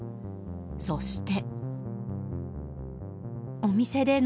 そして。